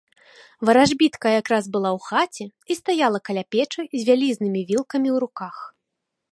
Варажбітка якраз была ў хаце і стаяла каля печы з вялізнымі вілкамі ў руках.